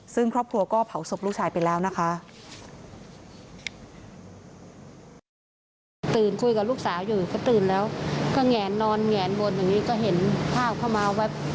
ซึ่งครอบครัวก็เผาศพลูกชายไปแล้วนะคะ